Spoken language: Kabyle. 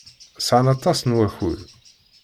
Sɛan aṭas n wakud.